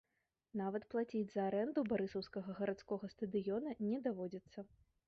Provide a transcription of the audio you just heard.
Нават плаціць за арэнду барысаўскага гарадскога стадыёна не даводзіцца.